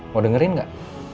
mau dengerin gak